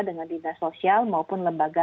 dengan dinas sosial maupun lembaga